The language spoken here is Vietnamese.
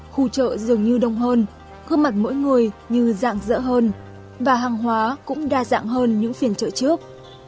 khu chợ dường như đông hơn gương mặt mỗi người như dạng dỡ hơn và hàng hóa cũng đa dạng hơn những phiên chợ trước